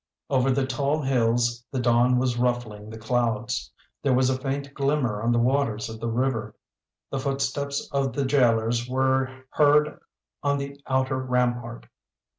Over the tall hills the dawn was ruffling the clouds. There was a faint glimmer on the waters of the river. The footsteps of the gaolers were heard on the outer rampart.